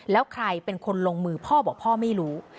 แล้วใครเป็นคนลงมือพ่อบอกพ่อไม่รู้